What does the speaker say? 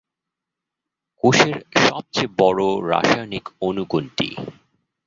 কোষের সবচেয়ে বড় রাসায়নিক অণু কোনটি?